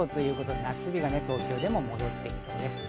夏日が東京にも戻ってきそうです。